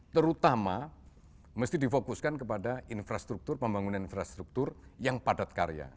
terutama mesti difokuskan kepada infrastruktur pembangunan infrastruktur yang padat karya